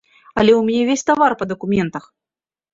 Але ў мяне ўвесь тавар па дакументах.